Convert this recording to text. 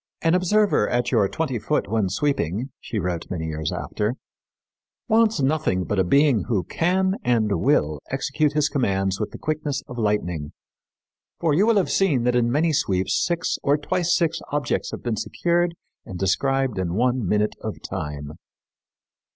'An observer at your twenty foot when sweeping,' she wrote many years after, 'wants nothing but a being who can and will execute his commands with the quickness of lightning; for you will have seen that in many sweeps six or twice six objects have been secured and described in one minute of time.'"